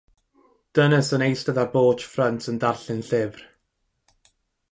Dynes yn eistedd ar bortsh ffrynt yn darllen llyfr.